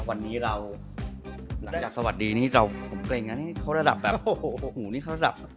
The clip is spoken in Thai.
วันนี้เราหลังจากสวัสดีนี่เราผมเกรงกันให้เขาระดับแบบโอ้โหนี่เขาระดับ